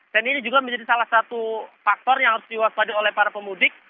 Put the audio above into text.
dan ini juga menjadi salah satu faktor yang harus diwaspadai